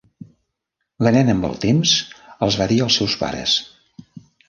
La nena amb el temps els va dir als seus pares.